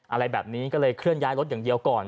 อะไรแบบนี้ก็เลยเคลื่อนย้ายรถอย่างเดียวก่อน